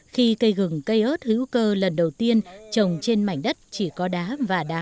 khi cây gừng cây ớt hữu cơ lần đầu tiên trồng trên mảnh đất chỉ có đá và đá